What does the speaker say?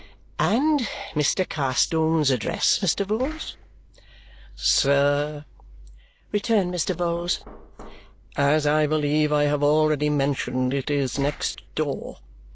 "And Mr. Carstone's address, Mr. Vholes?" "Sir," returned Mr. Vholes, "as I believe I have already mentioned, it is next door.